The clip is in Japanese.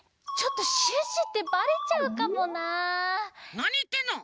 なにいってんの！